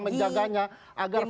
sama sama menjaganya agar